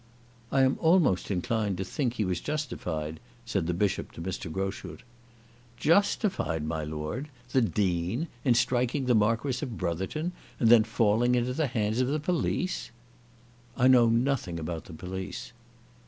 "I am almost inclined to think he was justified," said the Bishop to Mr. Groschut. "Justified, my lord! The Dean; in striking the Marquis of Brotherton, and then falling into the hands of the police!" "I know nothing about the police."